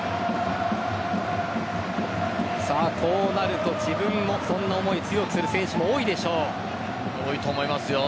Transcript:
こうなると自分もそんな思いを強くする選手も多いと思いますよ。